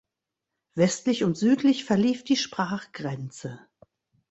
Westlich und südlich verlief die Sprachgrenze.